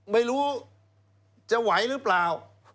ไม่รู้จะไหวหรือเปล่า